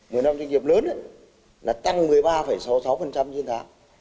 một mươi năm doanh nghiệp lớn là tăng một mươi ba sáu mươi sáu trên tháng